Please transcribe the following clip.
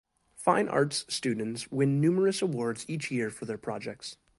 Fine arts students win numerous awards each year for their projects.